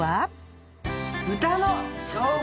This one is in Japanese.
豚のしょうが